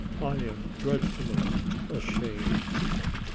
I am dreadfully ashamed."